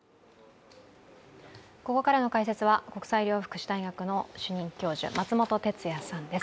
ここからの解説は国際医療福祉大学の主任教授松本哲哉さんです。